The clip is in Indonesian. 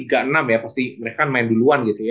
tiga puluh enam ya pasti mereka kan main duluan gitu ya